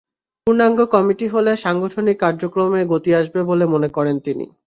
পূর্ণাঙ্গ কমিটি হলে সাংগঠনিক কার্যক্রম গতি আসবে বলে মনে করেন তিনি।